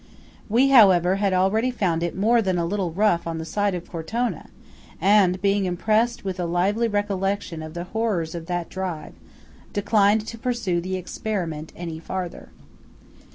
We, however, had already found it more than a little rough on the side of Cortina, and, being impressed with a lively recollection of the horrors of that drive, declined to pursue the experiment any farther.